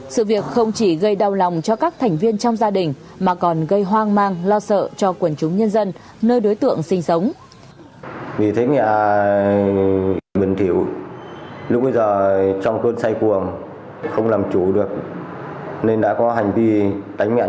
sự việc không chỉ gây đau lòng cho các thành viên trong gia đình mà còn gây hoang mang lo sợ cho quần chúng nhân dân nơi đối tượng sinh sống